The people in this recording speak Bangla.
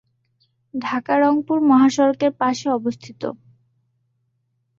ঢাকা-রংপুর মহাসড়কের পাশে অবস্থিত।